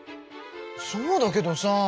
そうだけどさ。